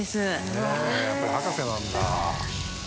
へぇやっぱ博士なんだ。